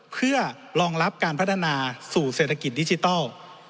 เพื่อรองรับการพัฒนาสู่เศรษฐกิจดิจิทัล